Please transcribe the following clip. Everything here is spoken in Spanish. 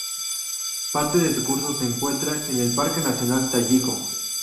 Parte de su curso se encuentra en el Parque nacional Tayiko.